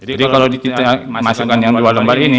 jadi kalau kita masukkan yang dua lembar ini